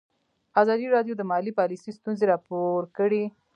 ازادي راډیو د مالي پالیسي ستونزې راپور کړي.